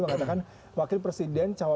mengatakan wakil presiden